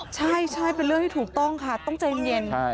ใช่เป็นเรื่องที่ถูกต้องค่ะต้องใจเย็น